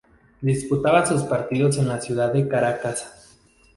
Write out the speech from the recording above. Disputaba sus partidos en la ciudad de Caracas.